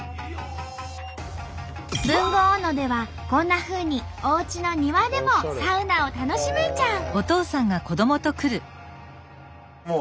豊後大野ではこんなふうにおうちの庭でもサウナを楽しめちゃう！